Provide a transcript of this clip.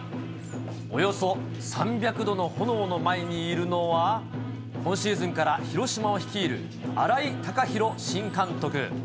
およそ３００度の炎の前にいるのは、今シーズンから広島を率いる新井貴浩新監督。